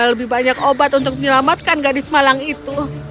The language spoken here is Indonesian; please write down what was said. lebih banyak obat untuk menyelamatkan gadis malang itu